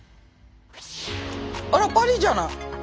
あらパリじゃない。